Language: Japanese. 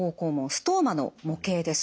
ストーマの模型です。